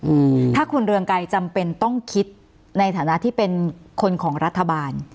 อืมถ้าคุณเรืองไกรจำเป็นต้องคิดในฐานะที่เป็นคนของรัฐบาล